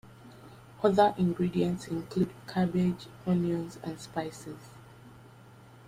Other ingredients include cabbage, onions, and spices.